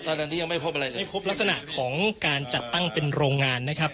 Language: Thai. ตอนนี้ยังไม่พบอะไรเลยไม่พบลักษณะของการจัดตั้งเป็นโรงงานนะครับ